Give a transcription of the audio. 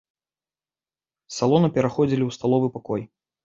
З салона пераходзілі ў сталовы пакой.